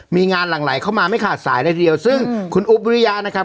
มีงานหลั่งไหลเข้ามาไม่ขาดสายเลยทีเดียวซึ่งคุณอุ๊บวิริยะนะครับ